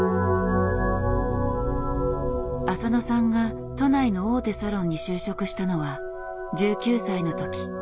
浅野さんが都内の大手サロンに就職したのは１９歳の時。